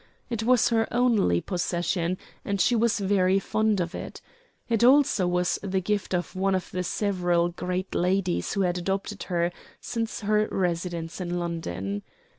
It was her only possession, and she was very fond of it. It also was the gift of one of the several great ladies who had adopted her since her residence in London.